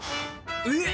えっ！